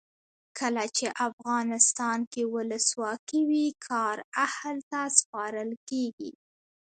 کله چې افغانستان کې ولسواکي وي کار اهل ته سپارل کیږي.